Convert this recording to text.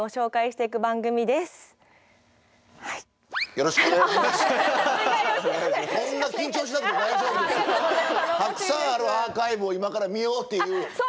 たくさんあるアーカイブを今から見ようっていう。